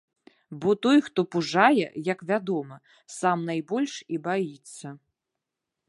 Бо той хто пужае, як вядома, сам найбольш і баіцца.